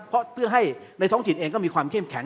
เพราะเพื่อให้ในท้องถิ่นเองก็มีความเข้มแข็ง